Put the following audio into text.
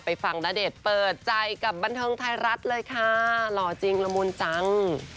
ฟังณเดชน์เปิดใจกับบันเทิงไทยรัฐเลยค่ะหล่อจริงละมุนจัง